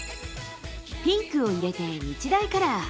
ピンクを入れて日大カラー。